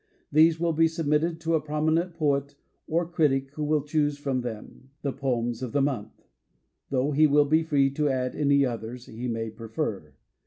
These will he submitted to a prominent poet or critic who will choose from them •*The Poems of the Month", though he will be free to add any others he may prefer.